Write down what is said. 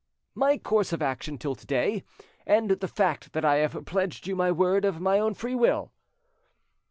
"My course of action till to day, and the fact that I have pledged you my word of my own free will."